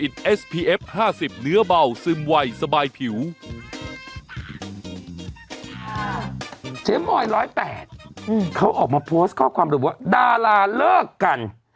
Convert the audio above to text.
เมา๑๐๘เขาออกมาโพสต์ข้อความเลยว่าดาราเลิกกัน